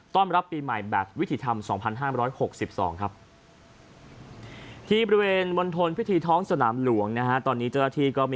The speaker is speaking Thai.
ต้อนรับปีใหม่แบบวิถีธรรม